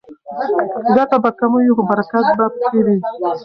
ګټه به کمه وي خو برکت به پکې وي.